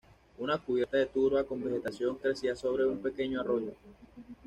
Una cubierta de turba con vegetación crecía sobre un pequeño arroyo.